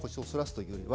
「というよりは」。